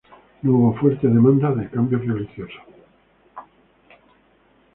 No hubo fuertes demandas de cambios religiosos.